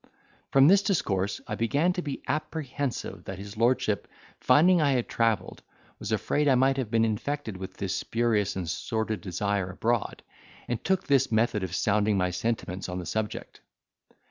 From this discourse I began to be apprehensive that his lordship, finding I had travelled, was afraid I might have been infected with this spurious and sordid desire abroad, and took this method of sounding my sentiments on the subject.